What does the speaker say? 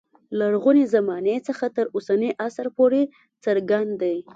لرغونې زمانې څخه تر اوسني عصر پورې څرګند دی.